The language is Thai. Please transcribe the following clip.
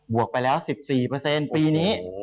วกไปแล้ว๑๔ปีนี้